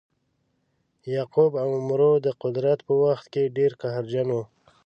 یعقوب او عمرو د قدرت په وخت کې ډیر قهرجن وه.